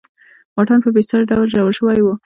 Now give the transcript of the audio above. واټن په بېساري ډول ژور شوی و.